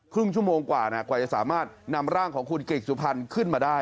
ชั่วโมงกว่ากว่าจะสามารถนำร่างของคุณเกรกสุพรรณขึ้นมาได้